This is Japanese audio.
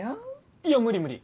いや無理無理